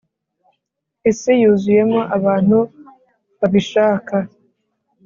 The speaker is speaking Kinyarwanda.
isi yuzuyemo abantu babishaka: